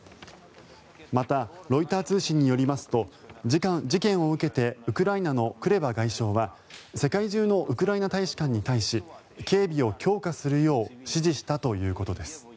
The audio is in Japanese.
また、ロイター通信によりますと事件を受けてウクライナのクレバ外相は世界中のウクライナ大使館に対し警備を強化するよう指示したということです。